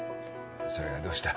それがどうした？